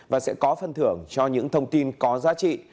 và sẽ có phân thưởng cho những thông tin có giá trị